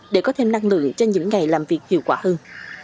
để có thêm năng lượng cho những ngày làm việc hiệu quả hơn